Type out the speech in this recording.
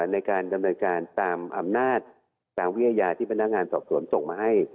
ในการดำเนินการตามอำนาจตามวิทยาที่พนักงานสอบสวนส่งมาให้